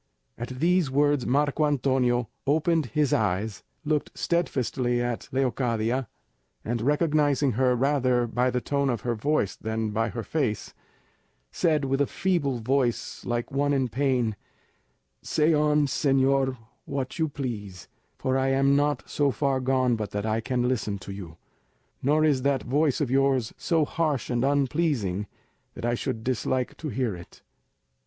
At these words Marco Antonio opened his eyes, looked steadfastly at Leocadia, and recognising her rather by the tone of her voice than by her face, said with a feeble voice, like one in pain, "Say on, señor, what you please, for I am not so far gone but that I can listen to you; nor is that voice of yours so harsh and unpleasing that I should dislike to hear it."